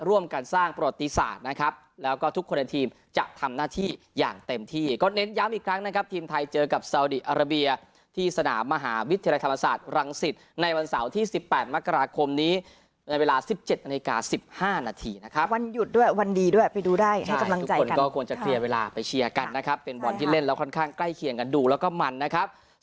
วิทยาธรรมศาสตร์รังสิตในวันเสาร์ที่๑๘มกราคมนี้ในเวลา๑๗นาฬิกา๑๕นาทีนะครับวันหยุดด้วยวันดีด้วยไปดูได้ให้กำลังใจกันก็ควรจะเคลียร์เวลาไปเชียร์กันนะครับเป็นบ่อนที่เล่นแล้วค่อนข้างใกล้เขียนกันดูแล้วก็มันนะครับ